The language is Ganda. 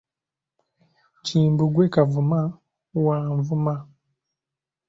Kimbugwe Kavuma, wa Nvuma.